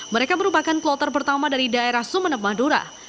mereka merupakan kloter pertama dari daerah sumeneb madura